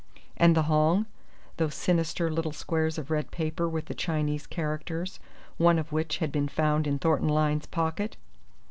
And the Hong? Those sinister little squares of red paper with the Chinese characters, one of which had been found in Thornton Lyne's pocket?